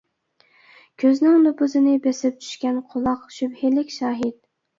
كۆزنىڭ نوپۇزىنى بېسىپ چۈشكەن قۇلاق شۈبھىلىك شاھىت.